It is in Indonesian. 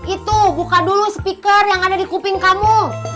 itu buka dulu speaker yang ada di kuping kamu